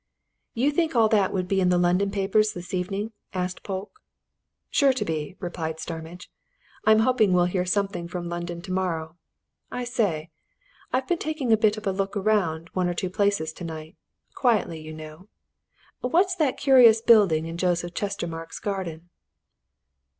"You think all that would be in the London papers this evening?" asked Polke. "Sure to be," replied Starmidge. "I'm hoping we'll hear something from London tomorrow. I say I've been taking a bit of a look round one or two places tonight, quietly, you know. What's that curious building in Joseph Chestermarke's garden?"